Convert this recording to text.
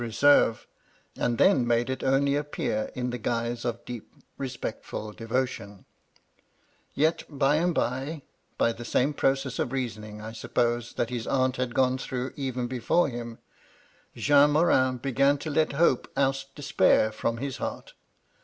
139 reserve, and then, made it only appear in the guise of deep, respectful devotion ; yet, by and by, — ^by the same process of reasoning I suppose that his aunt had gone through even before him — Jean Morin began to let Hope oust Despair from his heart.